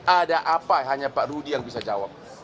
ada apa hanya pak rudi yang bisa jawab